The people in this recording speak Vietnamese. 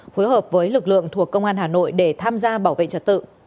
phối hợp với lực lượng thuộc công an hà nội để tham gia bảo vệ trật tự